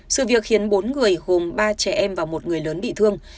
sự việc khiến bốn người gồm ba trẻ em và một người lớn bị thương